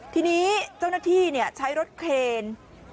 ทีนี้เจ้าหน้าที่ใช้รถเคน